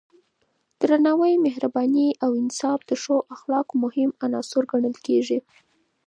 درناوی، مهرباني او انصاف د ښو اخلاقو مهم عناصر ګڼل کېږي.